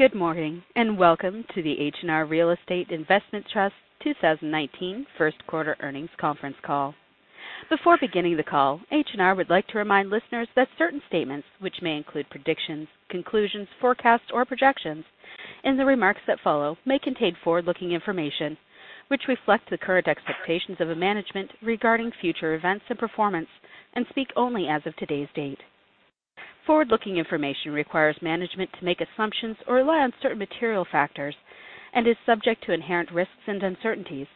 Good morning, and welcome to the H&R Real Estate Investment Trust 2019 first quarter earnings conference call. Before beginning the call, H&R would like to remind listeners that certain statements, which may include predictions, conclusions, forecasts, or projections in the remarks that follow may contain forward-looking information, which reflect the current expectations of management regarding future events and performance, and speak only as of today's date. Forward-looking information requires management to make assumptions or rely on certain material factors and is subject to inherent risks and uncertainties,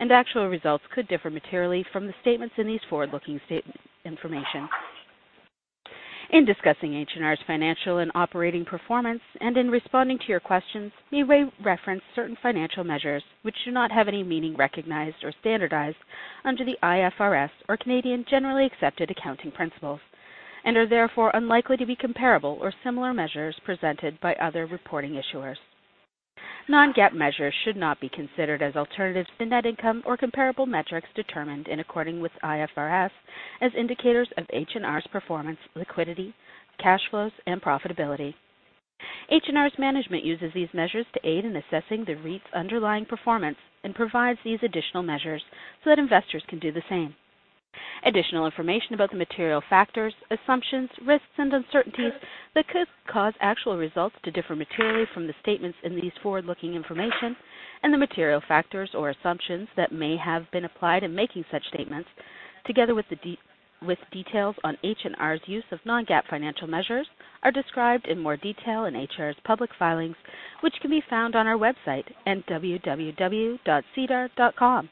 and actual results could differ materially from the statements in these forward-looking information. In discussing H&R's financial and operating performance, and in responding to your questions, we may reference certain financial measures which do not have any meaning recognized or standardized under the IFRS or Canadian generally accepted accounting principles and are therefore unlikely to be comparable or similar measures presented by other reporting issuers. Non-GAAP measures should not be considered as alternatives to net income or comparable metrics determined in according with IFRS as indicators of H&R's performance, liquidity, cash flows, and profitability. H&R's management uses these measures to aid in assessing the REIT's underlying performance and provides these additional measures so that investors can do the same. Additional information about the material factors, assumptions, risks, and uncertainties that could cause actual results to differ materially from the statements in these forward-looking information and the material factors or assumptions that may have been applied in making such statements, together with details on H&R's use of Non-GAAP financial measures, are described in more detail in H&R's public filings which can be found on our website at www.SEDAR.com.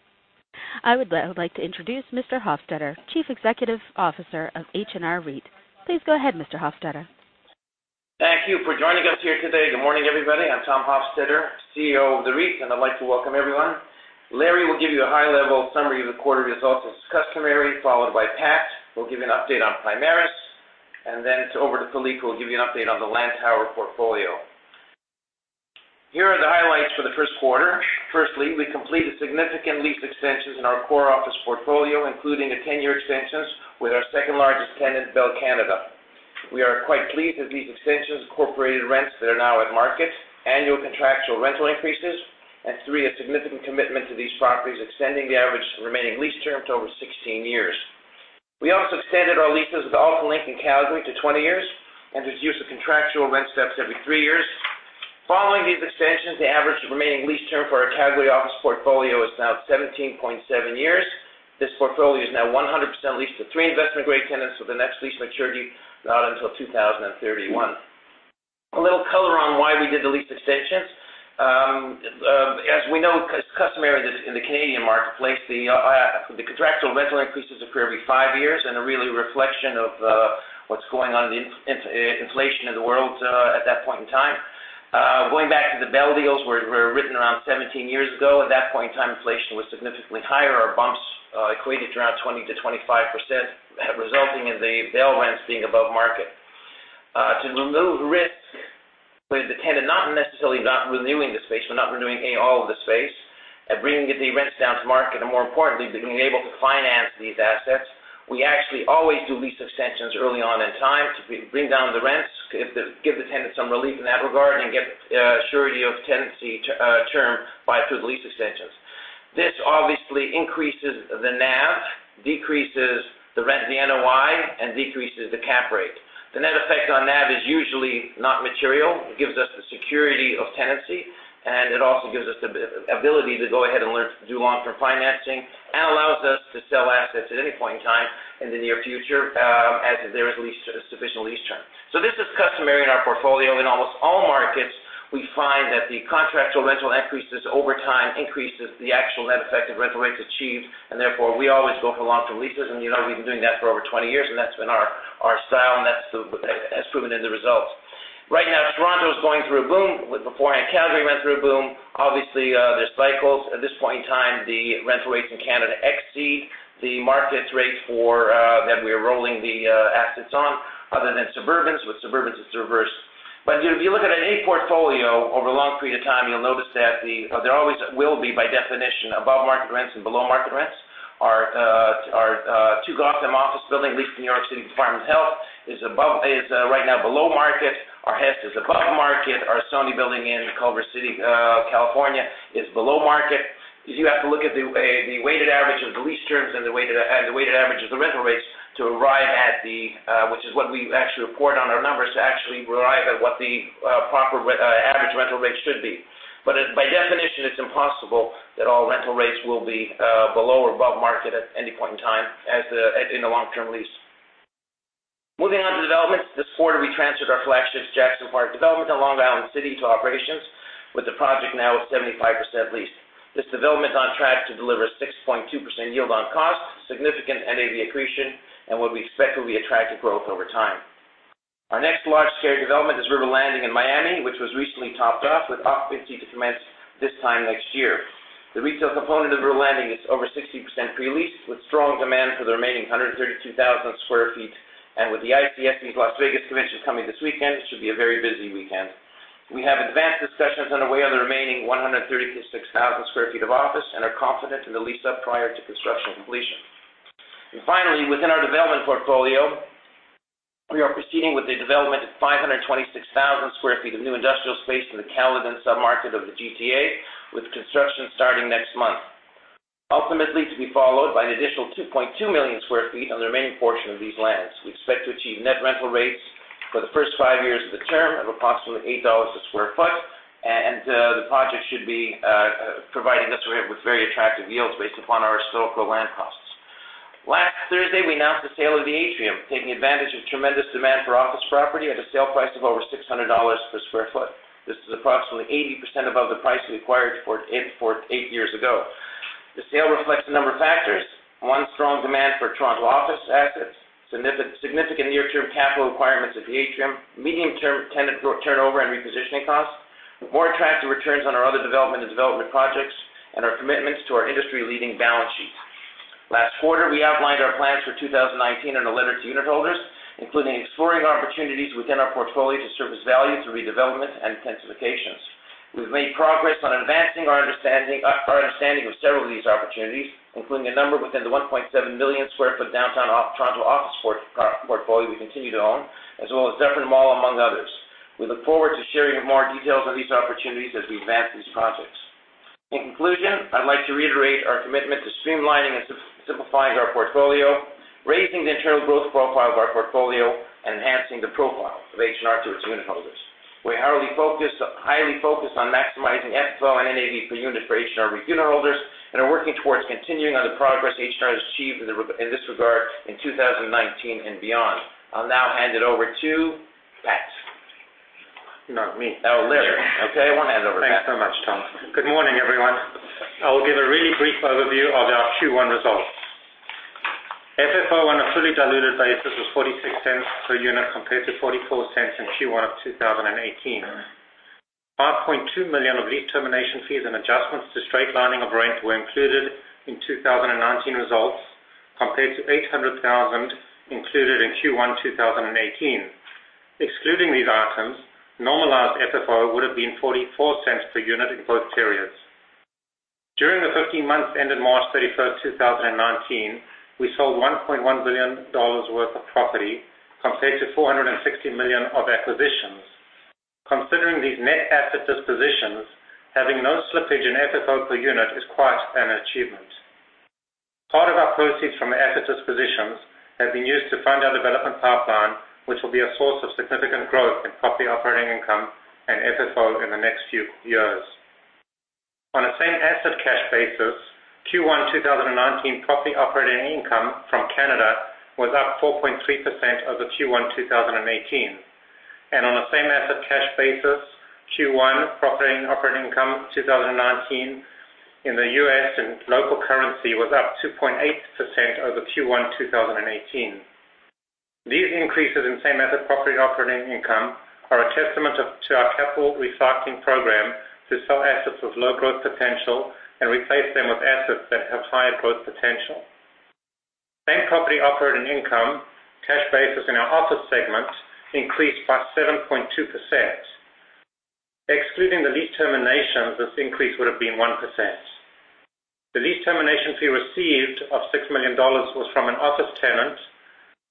I would like to introduce Mr. Hofstedter, Chief Executive Officer of H&R REIT. Please go ahead, Mr. Hofstedter. Thank you for joining us here today. Good morning, everybody. I'm Tom Hofstedter, CEO of the REIT, and I'd like to welcome everyone. Larry will give you a high-level summary of the quarter results as customary, followed by Pat, who will give you an update on Primaris, and then it's over to Philippe, who will give you an update on the Lantower portfolio. Here are the highlights for the first quarter. Firstly, we completed significant lease extensions in our core office portfolio, including the tenure extensions with our second-largest tenant, Bell Canada. We are quite pleased that these extensions incorporated rents that are now at market, annual contractual rental increases, and three, a significant commitment to these properties extending the average remaining lease term to over 16 years. We also extended our leases with AltaLink in Calgary to 20 years and with use of contractual rent steps every three years. Following these extensions, the average remaining lease term for our Calgary office portfolio is now 17.7 years. This portfolio is now 100% leased to 3 investment-grade tenants with the next lease maturity not until 2031. A little color on why we did the lease extensions. As we know, it's customary in the Canadian marketplace, the contractual rental increases occur every five years and are really a reflection of what's going on in inflation in the world at that point in time. Going back to the Bell deals were written around 17 years ago. At that point in time, inflation was significantly higher. Our bumps equated to around 20%-25%, resulting in the Bell rents being above market. To remove risk with the tenant, not necessarily not renewing the space, but not renewing all of the space and bringing the rents down to market, and more importantly, being able to finance these assets. We actually always do lease extensions early on in time to bring down the rents, give the tenant some relief in that regard, and get surety of tenancy term through the lease extensions. This obviously increases the NAV, decreases the NOI, and decreases the cap rate. The net effect on NAV is usually not material. It gives us the security of tenancy, and it also gives us the ability to go ahead and do long-term financing and allows us to sell assets at any point in time in the near future, as there is sufficient lease term. This is customary in our portfolio. In almost all markets, we find that the contractual rental increases over time increases the actual net effect of rental rates achieved, and therefore, we always go for long-term leases. We've been doing that for over 20 years, and that's been our style, and that has proven in the results. Right now, Toronto is going through a boom. Beforehand, Calgary went through a boom. Obviously, there's cycles. At this point in time, the rental rates in Canada exceed the market rates for, that we are rolling the assets on other than suburbans. With suburbans, it's reversed. If you look at any portfolio over a long period of time, you'll notice that there always will be, by definition, above-market rents and below-market rents. Our Two Gotham office building leased in New York City Department of Health is right now below market. Our Hess is above market. Our Sony building in Culver City, California, is below market. You have to look at the weighted average of the lease terms and the weighted average of the rental rates to arrive at the, which is what we actually report on our numbers to actually arrive at what the proper average rental rate should be. By definition, it's impossible that all rental rates will be below or above market at any point in time as in the long-term lease. Moving on to developments. This quarter, we transferred our flagship Jackson Park development in Long Island City to operations with the project now at 75% leased. This development is on track to deliver a 6.2% yield on cost, significant NAV accretion, and what we expect will be attractive growth over time. Our next large-scale development is River Landing in Miami, which was recently topped off, with occupancy to commence this time next year. The retail component of River Landing is over 60% pre-leased, with strong demand for the remaining 132,000 square feet. With the ICSC Las Vegas Convention coming this weekend, it should be a very busy weekend. We have advanced discussions underway on the remaining 136,000 square feet of office and are confident in the lease-up prior to construction completion. Finally, within our development portfolio, we are proceeding with the development of 526,000 square feet of new industrial space in the Caledon sub-market of the GTA, with construction starting next month. Ultimately, to be followed by an additional 2.2 million square feet on the remaining portion of these lands. We expect to achieve net rental rates for the first five years of the term of approximately 8 dollars a square foot, the project should be providing us with very attractive yields based upon our historical land costs. Last Thursday, we announced the sale of The Atrium, taking advantage of tremendous demand for office property at a sale price of over 600 dollars per square foot. This is approximately 80% above the price we acquired for it eight years ago. The sale reflects a number of factors. One, strong demand for Toronto office assets, significant near-term capital requirements of The Atrium, medium-term tenant turnover and repositioning costs, more attractive returns on our other development projects, and our commitments to our industry-leading balance sheet. Last quarter, we outlined our plans for 2019 in a letter to unitholders, including exploring opportunities within our portfolio to service value through redevelopment and intensifications. We've made progress on advancing our understanding of several of these opportunities, including a number within the 1.7 million square foot downtown Toronto office portfolio we continue to own, as well as Dufferin Mall, among others. We look forward to sharing more details on these opportunities as we advance these projects. In conclusion, I'd like to reiterate our commitment to streamlining and simplifying our portfolio, raising the internal growth profile of our portfolio, and enhancing the profile of H&R to its unitholders. We're highly focused on maximizing FFO and NAV per unit for H&R unitholders and are working towards continuing on the progress H&R has achieved in this regard in 2019 and beyond. I'll now hand it over to Pat. Not me. Okay, I want to hand it over to Pat. Thanks so much, Tom. Good morning, everyone. I will give a really brief overview of our Q1 results. FFO on a fully diluted basis was 0.46 per unit, compared to 0.44 in Q1 of 2018. 5.2 million of lease termination fees and adjustments to straight lining of rent were included in 2019 results, compared to 800,000 included in Q1 2018. Excluding these items, normalized FFO would've been 0.44 per unit in both periods. During the 15 months ended March 31st, 2019, we sold 1.1 billion dollars worth of property, compared to 460 million of acquisitions. Considering these net asset dispositions, having no slippage in FFO per unit is quite an achievement. Part of our proceeds from the asset dispositions have been used to fund our development pipeline, which will be a source of significant growth in profit operating income and FFO in the next few years. On a same-asset cash basis, Q1 2019 property operating income from Canada was up 4.3% over Q1 2018. On a same-asset cash basis, Q1 property operating income, 2019, in the U.S. and local currency was up 2.8% over Q1 2018. These increases in same-asset property operating income are a testament to our capital recycling program to sell assets with low growth potential and replace them with assets that have higher growth potential. Same-property operating income, cash basis in our office segment increased by 7.2%. Excluding the lease termination, this increase would've been 1%. The lease termination fee received of 6 million dollars was from an office tenant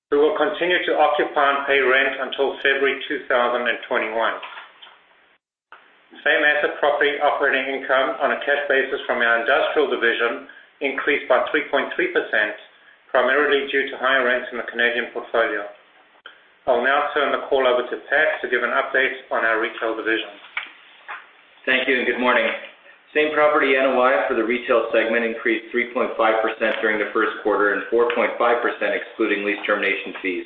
who will continue to occupy and pay rent until February 2021. Same-asset property operating income on a cash basis from our industrial division increased by 3.3%, primarily due to higher rents in the Canadian portfolio. I'll now turn the call over to Pat to give an update on our retail division. Thank you. Good morning. Same-property NOI for the retail segment increased 3.5% during the first quarter. 4.5% excluding lease termination fees.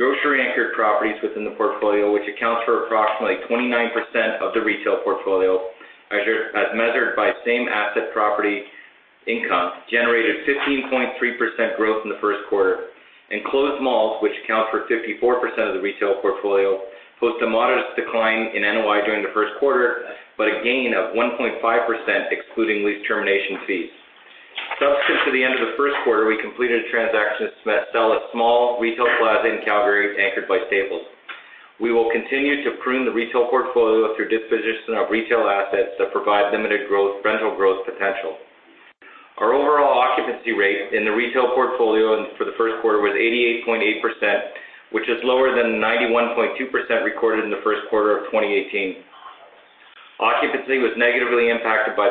Grocery-anchored properties within the portfolio, which accounts for approximately 29% of the retail portfolio, as measured by same-asset property income, generated 15.3% growth in the first quarter. Enclosed malls, which account for 54% of the retail portfolio, post a modest decline in NOI during the first quarter. A gain of 1.5%, excluding lease termination fees. Subsequent to the end of the first quarter, we completed a transaction to sell a small retail plaza in Calgary, anchored by Staples. We will continue to prune the retail portfolio through disposition of retail assets that provide limited rental growth potential. Our overall occupancy rate in the retail portfolio for the first quarter was 88.8%, which is lower than the 91.2% recorded in the first quarter of 2018. Occupancy was negatively impacted by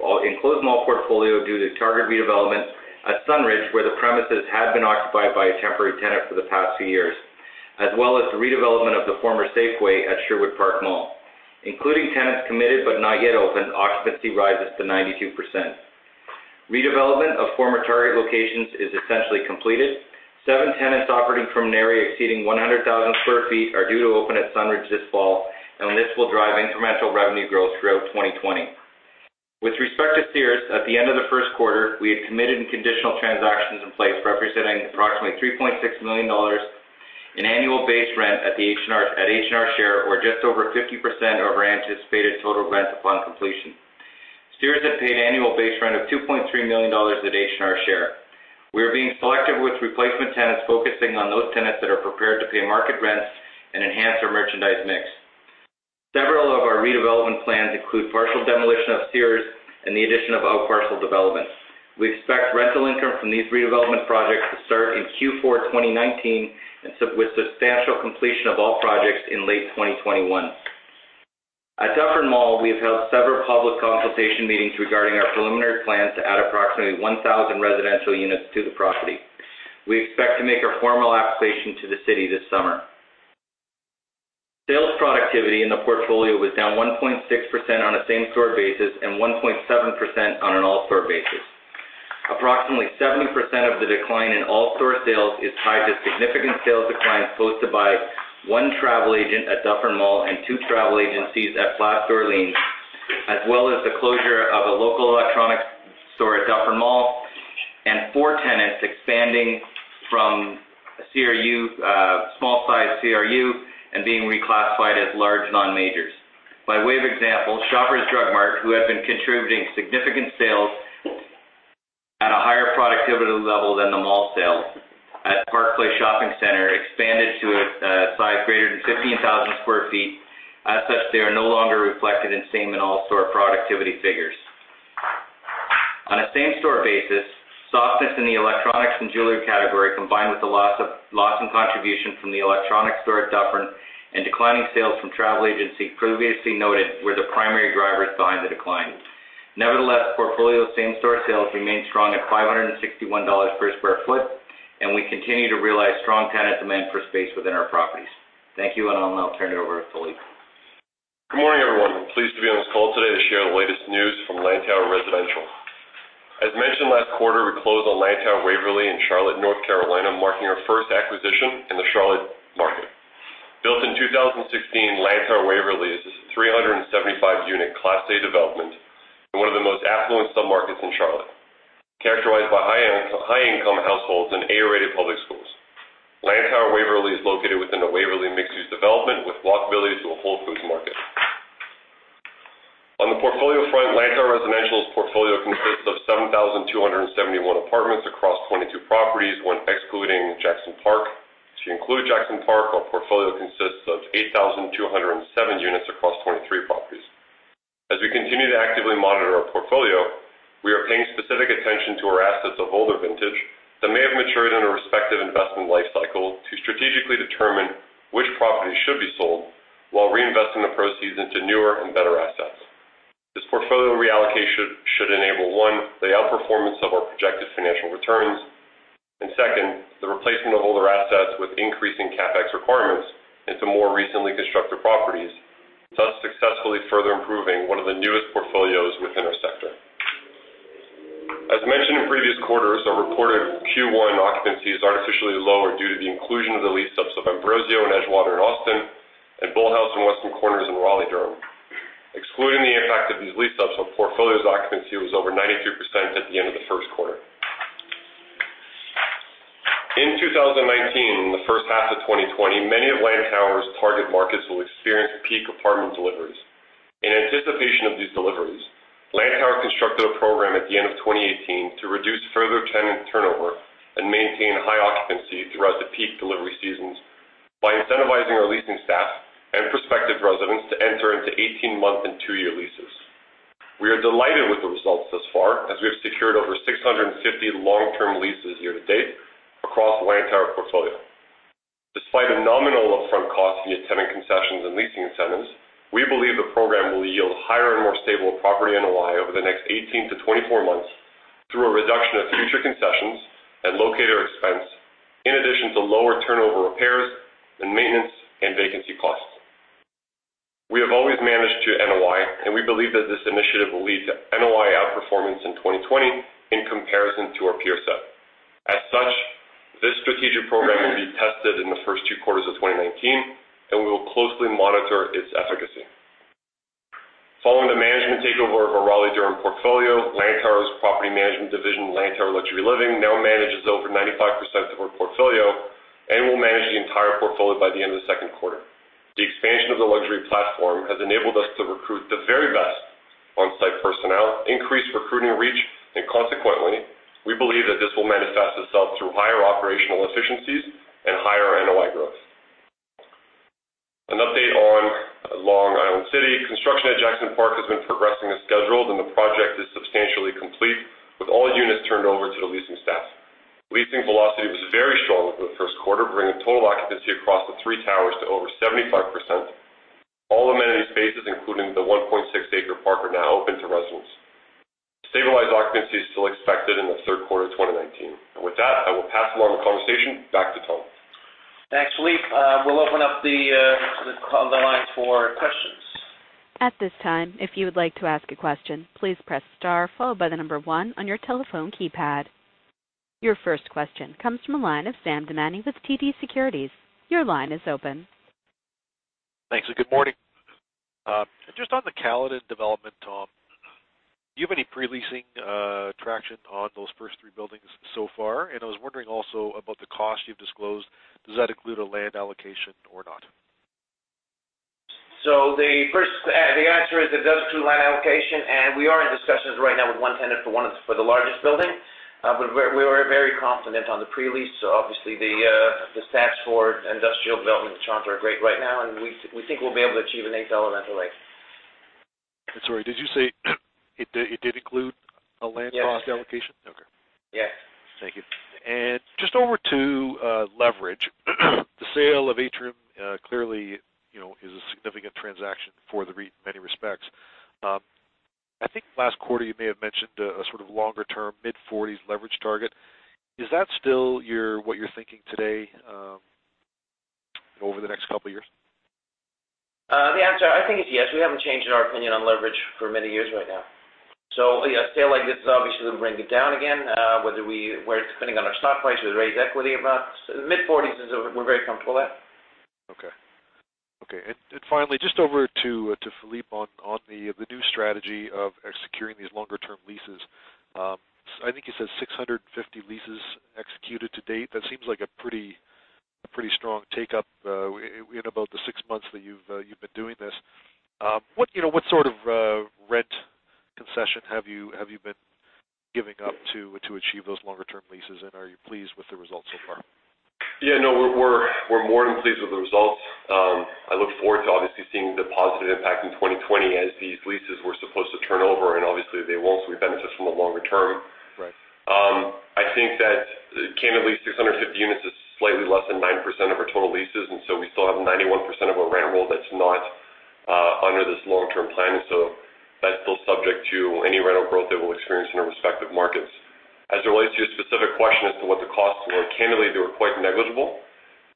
the enclosed mall portfolio due to Target redevelopment at Sunridge, where the premises had been occupied by a temporary tenant for the past two years, as well as the redevelopment of the former Safeway at Sherwood Park Mall. Including tenants committed but not yet open, occupancy rises to 92%. Redevelopment of former Target locations is essentially completed. Seven tenants operating from an area exceeding 100,000 square feet are due to open at Sunridge this fall. This will drive incremental revenue growth throughout 2020. With respect to Sears, at the end of the first quarter, we had committed and conditional transactions in place representing approximately 3.6 million dollars in annual base rent at H&R share. Just over 50% of our anticipated total rents upon completion. Sears had paid annual base rent of 2.3 million dollars at H&R share. We are being selective with replacement tenants, focusing on those tenants that are prepared to pay market rents and enhance our merchandise mix. Several of our redevelopment plans include partial demolition of Sears and the addition of outparcel developments. We expect rental income from these redevelopment projects to start in Q4 2019, with substantial completion of all projects in late 2021. At Dufferin Mall, we have held several public consultation meetings regarding our preliminary plans to add approximately 1,000 residential units to the property. We expect to make our formal application to the city this summer. Sales productivity in the portfolio was down 1.6% on a same-store basis. 1.7% on an all-store basis. Approximately 70% of the decline in all store sales is tied to significant sales declines posted by one travel agent at Dufferin Mall and two travel agencies at Place D'Orleans, as well as the closure of a local electronics store at Dufferin Mall and four tenants expanding from a small-sized CRU and being reclassified as large non-majors. By way of example, Shoppers Drug Mart, who have been contributing significant sales at a higher productivity level than the mall sales at Park Place Shopping Center, expanded to a size greater than 15,000 square feet. As such, they are no longer reflected in same and all-store productivity figures. On a same-store basis, softness in the electronics and jewelry category, combined with the loss in contribution from the electronic store at Dufferin and declining sales from travel agency previously noted, were the primary drivers behind the decline. Nevertheless, portfolio same-store sales remained strong at 561 dollars per square foot, and we continue to realize strong tenant demand for space within our properties. Thank you, and I'll now turn it over to Philippe. Good morning, everyone. Pleased to be on this call today to share the latest news from Lantower Residential. As mentioned last quarter, we closed on Lantower Waverly in Charlotte, North Carolina, marking our first acquisition in the Charlotte market. Built in 2016, Lantower Waverly is a 375-unit Class A development in one of the most affluent submarkets in Charlotte, characterized by high-income households and A-rated public schools. Lantower Waverly is located within the Waverly mixed-use development with walkability to a Whole Foods Market. On the portfolio front, Lantower Residential's portfolio consists of 7,271 apartments across 22 properties when excluding Jackson Park. To include Jackson Park, our portfolio consists of 8,207 units across 23 properties. As we continue to actively monitor our portfolio, we are paying specific attention to our assets of older vintage that may have matured in a respective investment life cycle to strategically determine which properties should be sold while reinvesting the proceeds into newer and better assets. This portfolio reallocation should enable, one, the outperformance of our projected financial returns, and second, the replacement of older assets with increasing CapEx requirements into more recently constructed properties, thus successfully further improving one of the newest portfolios within our sector. As mentioned in previous quarters, our reported Q1 occupancy is artificially lower due to the inclusion of the lease-ups of Ambrosio and Edgewater in Austin and Bullhouse and Western Corners in Raleigh, Durham. Excluding the impact of these lease-ups, our portfolio's occupancy was over 93% at the end of the first quarter. In 2019 and the first half of 2020, many of Lantower's target markets will experience peak apartment deliveries. In anticipation of these deliveries, Lantower constructed a program at the end of 2018 to reduce further tenant turnover and maintain high occupancy throughout the peak delivery seasons by incentivizing our leasing staff and prospective residents to enter into 18-month and two-year leases. We are delighted with the results thus far, as we have secured over 650 long-term leases year to date across Lantower portfolio. Despite a nominal upfront cost in the tenant concessions and leasing incentives, we believe the program will yield higher and more stable property NOI over the next 18 to 24 months through a reduction of future concessions and locator expense, in addition to lower turnover repairs and maintenance and vacancy costs. We have always managed to NOI, and we believe that this initiative will lead to NOI outperformance in 2020 in comparison to our peer set. As such, this strategic program will be tested in the first two quarters of 2019, and we will closely monitor its efficacy. Following the management takeover of our Raleigh, Durham portfolio, Lantower's property management division, Lantower Luxury Living, now manages over 95% of our portfolio and will manage the entire portfolio by the end of the second quarter. The expansion of the luxury platform has enabled us to recruit the very best on-site personnel, increase recruiting reach, and consequently, we believe that this will manifest itself through higher operational efficiencies and higher NOI growth. An update on Long Island City. Construction at Jackson Park has been progressing as scheduled, and the project is substantially complete, with all units turned over to the leasing staff. Leasing velocity was very strong over the first quarter, bringing total occupancy across the three towers to over 75%. All amenity spaces, including the 1.6-acre park, are now open to residents. Stabilized occupancy is still expected in the third quarter 2019. With that, I will pass along the conversation back to Tom. Thanks, Philippe. We will open up the lines for questions. At this time, if you would like to ask a question, please press star followed by the number one on your telephone keypad. Your first question comes from the line of Sam Damiani with TD Securities. Your line is open. Thanks. Good morning. Just on the Caledon development, Tom, do you have any pre-leasing traction on those first three buildings so far? I was wondering also about the cost you've disclosed. Does that include a land allocation or not? The answer is it does include land allocation. We are in discussions right now with one tenant for the largest building. We're very confident on the pre-lease. Obviously the stats for industrial development charts are great right now. We think we'll be able to achieve an 8% overlay. Sorry, did you say it did include a land cost allocation? Yes. Okay. Yes. Thank you. Just over to leverage. The sale of Atrium clearly is a significant transaction for the REIT in many respects. I think last quarter you may have mentioned a sort of longer-term, mid-40s leverage target. Is that still what you're thinking today, over the next couple of years? The answer, I think, is yes. We haven't changed our opinion on leverage for many years right now. A sale like this is obviously going to bring it down again. Depending on our stock price, we'll raise equity amounts. Mid-40s, we're very comfortable at. Okay. Finally, just over to Philippe on the new strategy of executing these longer-term leases. I think you said 650 leases executed to date. That seems like a pretty strong take-up in about the six months that you've been doing this. What sort of rent concession have you been giving up to achieve those longer-term leases, and are you pleased with the results so far? Yeah, no, we're more than pleased with the results. I look forward to obviously seeing the positive impact in 2020 as these leases were supposed to turn over, and obviously they won't, so we benefit from the longer term. Right. I think that, candidly, 650 units is slightly less than 9% of our total leases, we still have 91% of our rent roll that's not under this long-term plan. That's still subject to any rental growth that we'll experience in our respective markets. As it relates to your specific question as to what the costs were, candidly, they were quite negligible.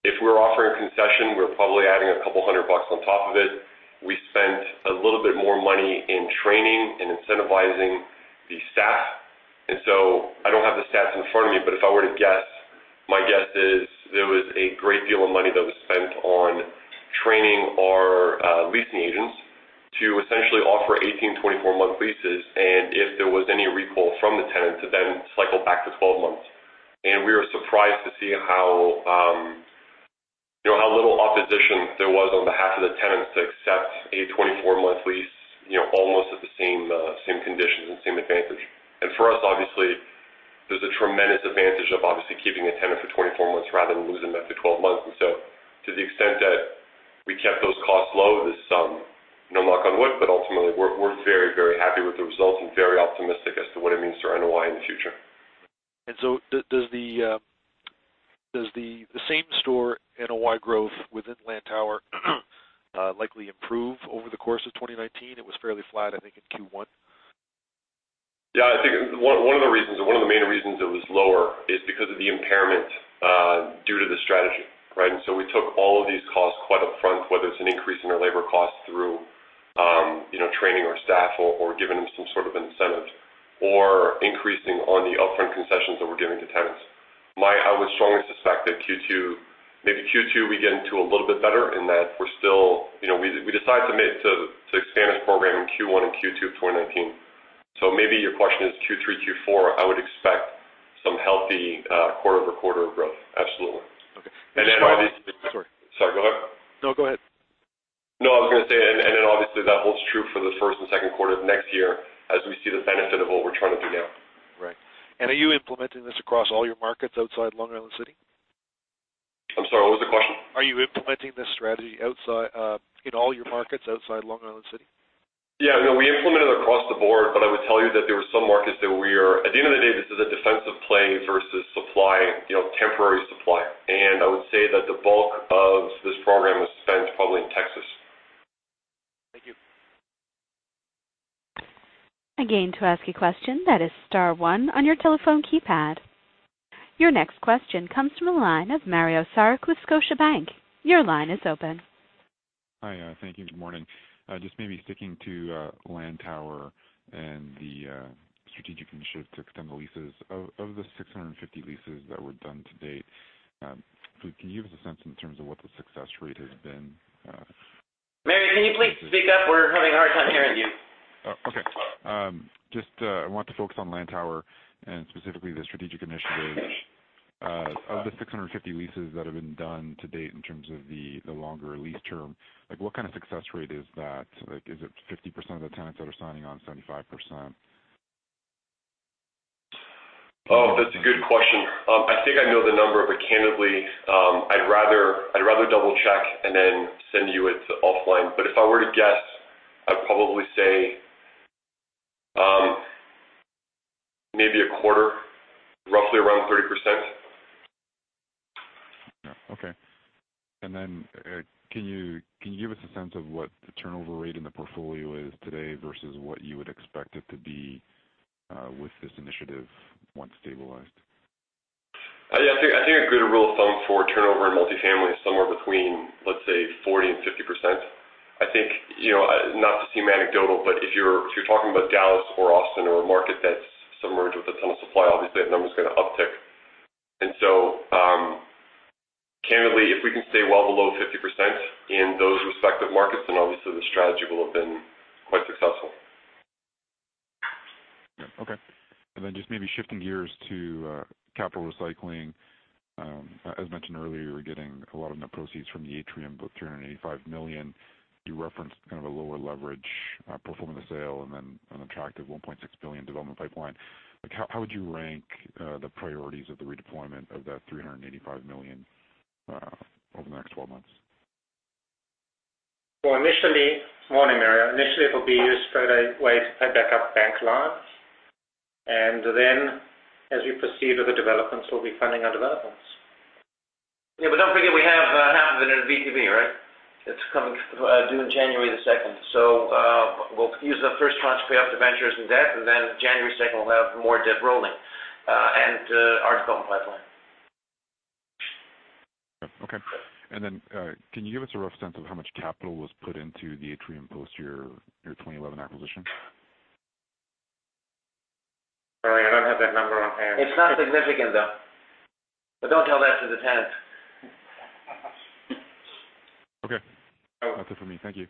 If we're offering a concession, we're probably adding 200 bucks on top of it. We spent a little bit more money in training and incentivizing the staff. I don't have the stats in front of me, but if I were to guess, my guess is there was a great deal of money that was spent on training our leasing agents to essentially offer 18- to 24-month leases. If there was any recall from the tenant, to cycle back to 12 months. We were surprised to see how little opposition there was on behalf of the tenants to accept a 24-month lease, almost at the same conditions and same advantage. For us, obviously, there's a tremendous advantage of obviously keeping a tenant for 24 months rather than losing them after 12 months. To the extent that we kept those costs low, knock on wood, but ultimately, we're very happy with the results and very optimistic as to what it means to our NOI in the future. Right. Does the same-store NOI growth within Lantower likely improve over the course of 2019? It was fairly flat, I think, in Q1. Yeah, I think one of the main reasons it was lower is because of the impairment due to the strategy, right? We took all of these costs quite upfront, whether it's an increase in our labor costs through training our staff or giving them some sort of incentive or increasing on the upfront concessions that we're giving to tenants. I would strongly suspect that maybe Q2 we get into a little bit better in that we decided to expand this program in Q1 and Q2 of 2019. Maybe your question is Q3, Q4, I would expect some healthy quarter-over-quarter growth. Absolutely. Okay. Obviously. Sorry. Sorry, go ahead. No, go ahead. No, I was going to say, and then obviously that holds true for the first and second quarter of next year as we see the benefit of what we're trying to do now. Right. Are you implementing this across all your markets outside Long Island City? I'm sorry, what was the question? Are you implementing this strategy in all your markets outside Long Island City? Yeah, no, we implement it across the board, but I would tell you that there were some markets that. At the end of the day, this is a defensive play versus supply, temporary supply. I would say that the bulk of this program was spent probably in Texas. Thank you. Again, to ask a question, that is star one on your telephone keypad. Your next question comes from the line of Mario Saric with Scotiabank. Your line is open. Hi. Thank you. Good morning. Just maybe sticking to Lantower and the strategic initiative to extend the leases. Of the 650 leases that were done to date, can you give us a sense in terms of what the success rate has been? Mario, can you please speak up? We're having a hard time hearing you. Okay. I want to focus on Lantower and specifically the strategic initiatives. Of the 650 leases that have been done to date in terms of the longer lease term, what kind of success rate is that? Is it 50% of the tenants that are signing on, 75%? That's a good question. I think I know the number, candidly, I'd rather double-check and then send you it offline. If I were to guess, I'd probably say maybe a quarter, roughly around 30%. Okay. Can you give us a sense of what the turnover rate in the portfolio is today versus what you would expect it to be with this initiative once stabilized? I think a good rule of thumb for turnover in multifamily is somewhere between, let's say, 40% and 50%. I think, not to seem anecdotal, if you're talking about Dallas or Austin or a market that's submerged with a ton of supply, obviously that number's going to uptick. Candidly, if we can stay well below 50% in those respective markets, obviously the strategy will have been quite successful. Yeah. Okay. Just maybe shifting gears to capital recycling As mentioned earlier, you were getting a lot of net proceeds from the Atrium, about 385 million. You referenced kind of a lower leverage performance sale an attractive 1.6 billion development pipeline. How would you rank the priorities of the redeployment of that 385 million over the next 12 months? Well, initially Morning, Mario. Initially, it will be used as a way to pay back our bank loans. As we proceed with the developments, we'll be funding our developments. Yeah, don't forget, we have half of it in a VTB, right? It's due on January the 2nd. We'll use the first tranche to pay off debentures and debt. January 2nd, we'll have more debt rolling, and our development pipeline. Okay. Can you give us a rough sense of how much capital was put into the Atrium post your 2011 acquisition? Sorry, I don't have that number on hand. It's not significant, though. Don't tell that to the tenants. Okay. That's it for me. Thank you.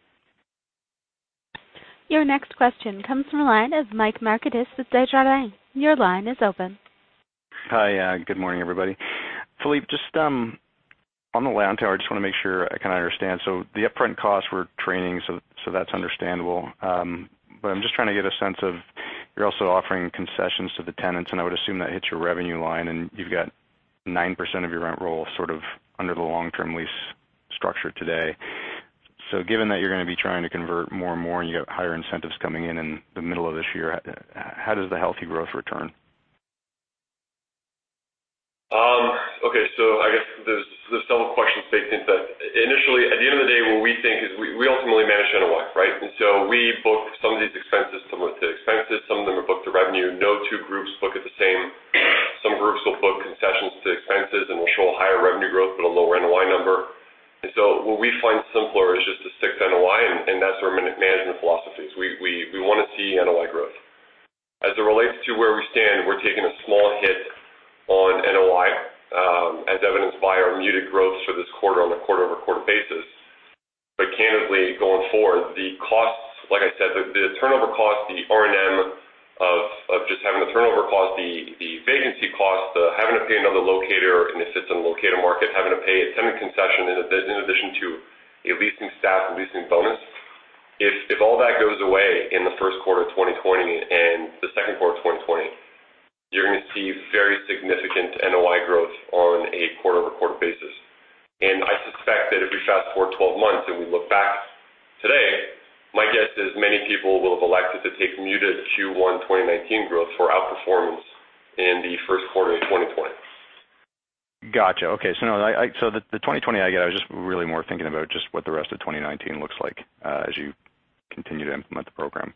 Your next question comes from the line of Michael Markidis with Desjardins. Your line is open. Hi. Good morning, everybody. Philippe, just on the Lantower, I just want to make sure I understand. The upfront costs were training, so that's understandable. I'm just trying to get a sense of, you're also offering concessions to the tenants, and I would assume that hits your revenue line, and you've got 9% of your rent roll sort of under the long-term lease structure today. Given that you're going to be trying to convert more and more and you got higher incentives coming in in the middle of this year, how does the healthy growth return? Okay. I guess there's several questions baked into that. Initially, at the end of the day, what we think is we ultimately manage NOI, right? We book some of these expenses, some are expenses, some of them are booked to revenue. No two groups book it the same. Some groups will book concessions to expenses and will show higher revenue growth but a lower NOI number. What we find simpler is just to stick to NOI, and that's our management philosophy is we want to see NOI growth. As it relates to where we stand, we're taking a small hit on NOI, as evidenced by our muted growth for this quarter on a quarter-over-quarter basis. Candidly, going forward, the costs, like I said, the turnover cost, the R&M of just having the turnover cost, the vacancy cost, the having to pay another locator in a system locator market, having to pay a tenant concession in addition to a leasing staff, a leasing bonus. If all that goes away in the first quarter of 2020 and the second quarter of 2020, you're going to see very significant NOI growth on a quarter-over-quarter basis. I suspect that if we fast-forward 12 months and we look back today, my guess is many people will have elected to take muted Q1 2019 growth for outperformance in the first quarter of 2020. Got you. Okay. The 2020, I get. I was just really more thinking about just what the rest of 2019 looks like as you continue to implement the program.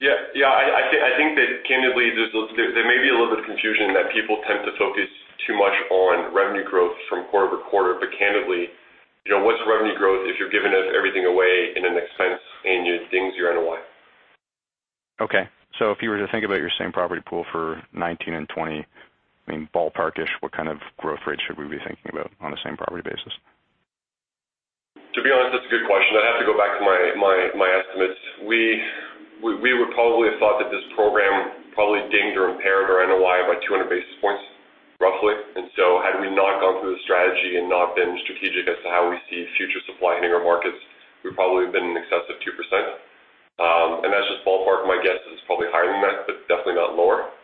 Yeah. I think that candidly, there may be a little bit of confusion that people tend to focus too much on revenue growth from quarter-over-quarter. Candidly, what's revenue growth if you're giving everything away in an expense and it dings your NOI? Okay. If you were to think about your same property pool for 2019 and 2020, ballpark-ish, what kind of growth rate should we be thinking about on a same property basis? To be honest, that's a good question. I'd have to go back to my estimates. We would probably have thought that this program probably dinged or impaired our NOI by 200 basis points, roughly. Had we not gone through the strategy and not been strategic as to how we see future supply hitting our markets, we'd probably have been in excess of 2%. That's just ballpark. My guess is probably higher than that, but definitely not lower.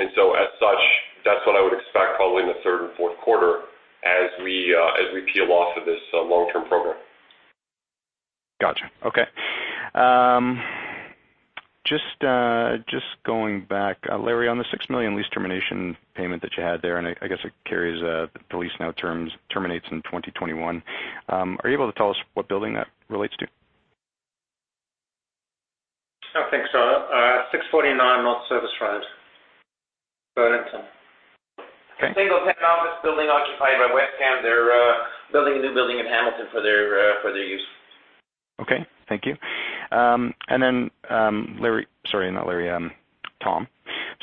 As such, that's what I would expect probably in the third and fourth quarter as we peel off of this long-term program. Got you. Okay. Just going back, Larry, on the 6 million lease termination payment that you had there, and I guess it carries the lease now terminates in 2021. Are you able to tell us what building that relates to? I think so. 649 North Service Road, Burlington. Okay. Single 10 office building occupied by WESCAM. They're building a new building in Hamilton for their use. Okay. Thank you. Sorry, not Larry. Tom,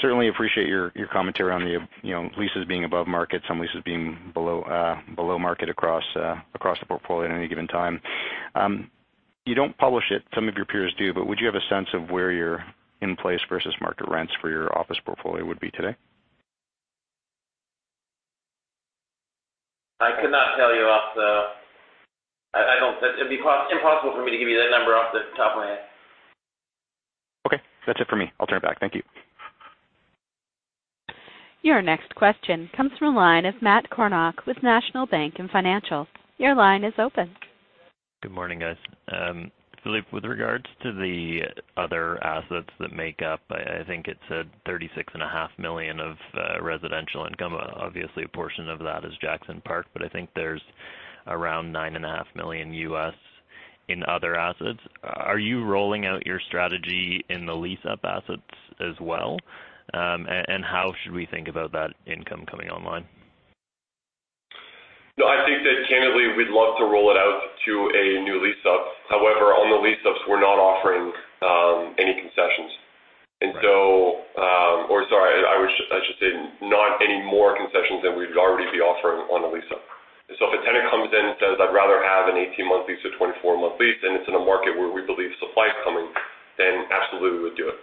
certainly appreciate your commentary on the leases being above market, some leases being below market across the portfolio at any given time. You don't publish it, some of your peers do, but would you have a sense of where your in-place versus market rents for your office portfolio would be today? I could not tell you. It'd be impossible for me to give you that number off the top of my head. Okay. That's it for me. I'll turn it back. Thank you. Your next question comes from the line of Matt Kornack with National Bank Financial. Your line is open. Good morning, guys. Philippe, with regards to the other assets that make up, I think it said 36.5 million of residential income. Obviously, a portion of that is Jackson Park, but I think there's around $9.5 million in other assets. Are you rolling out your strategy in the lease-up assets as well? How should we think about that income coming online? I think that candidly, we'd love to roll it out to a new lease-up. However, on the lease-ups, we're not offering any concessions. Right. Sorry. I should say not any more concessions than we'd already be offering on a lease-up. If a tenant comes in and says, "I'd rather have an 18-month lease or 24-month lease," and it's in a market where we believe supply is coming, absolutely, we'll do it.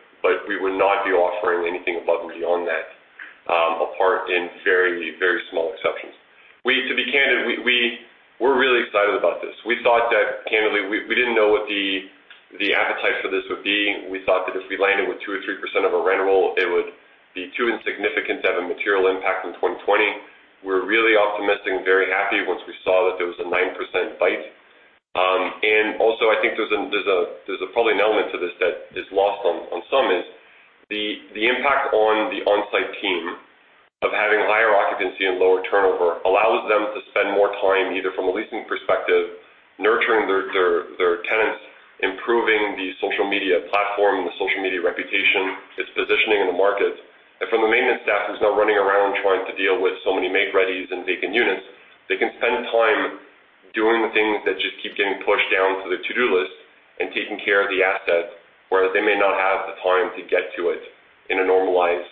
We would not be offering anything above and beyond that, apart in very small exceptions. To be candid, we're really excited about this. We thought that, candidly, we didn't know what the appetite for this would be. We thought that if we landed with 2% or 3% of a rent roll, it would be too insignificant to have a material impact in 2020. We were really optimistic and very happy once we saw that there was a 9% bite. I think there's probably an element to this that is lost on some is, the impact on the on-site team of having higher occupancy and lower turnover allows them to spend more time, either from a leasing perspective, nurturing their tenants, improving the social media platform, the social media reputation, its positioning in the market. From the maintenance staff, who's now running around trying to deal with so many make-readies and vacant units, they can spend time doing things that just keep getting pushed down to their to-do list and taking care of the assets, whereas they may not have the time to get to it in a normalized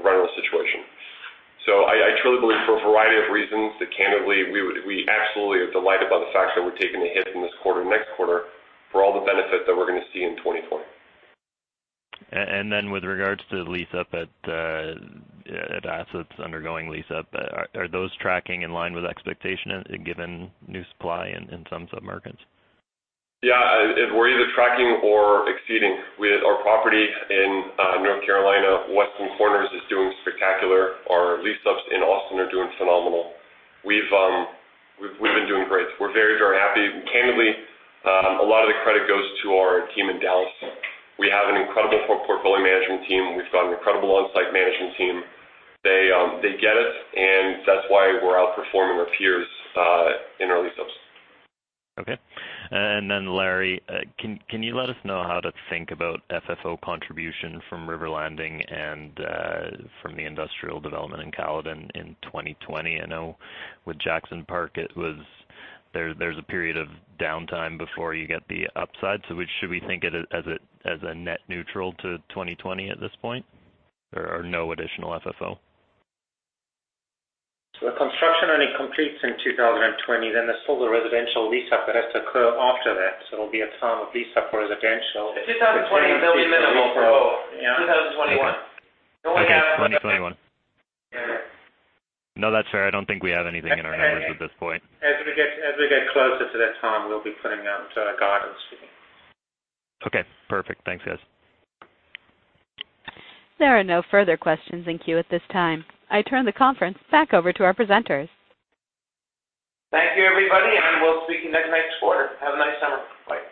rental situation. I truly believe, for a variety of reasons, that candidly, we absolutely are delighted by the fact that we're taking a hit in this quarter, next quarter, for all the benefit that we're going to see in 2020. With regards to lease-up at assets undergoing lease-up, are those tracking in line with expectation given new supply in some sub-markets? Yeah. We're either tracking or exceeding. Our property in North Carolina, Western Corners, is doing spectacular. Our lease-ups in Austin are doing phenomenal. We've been doing great. We're very happy. Candidly, a lot of the credit goes to our team in Dallas. We have an incredible portfolio management team. We've got an incredible on-site management team. They get it, and that's why we're outperforming our peers in our lease-ups. Okay. Larry Froom, can you let us know how to think about FFO contribution from River Landing and from the industrial development in Caledon in 2020? I know with Jackson Park, there's a period of downtime before you get the upside. Should we think of it as a net neutral to 2020 at this point? Or no additional FFO? The construction only completes in 2020, then there's still the residential lease-up that has to occur after that. It'll be a time of lease-up for residential. In 2020, there'll be minimal, Matt. 2021. Okay. 2021. Yeah. No, that's fair. I don't think we have anything in our numbers at this point. As we get closer to that time, we'll be putting out guidance for you. Okay, perfect. Thanks, guys. There are no further questions in queue at this time. I turn the conference back over to our presenters. Thank you, everybody, and we'll speak again next quarter. Have a nice summer. Bye.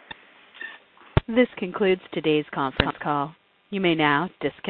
This concludes today's conference call. You may now disconnect.